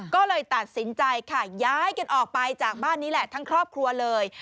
ก็เลยตัดสินใจค่ะย้ายกันออกไปจากบ้านนี้แหละทั้งครอบครัวเลย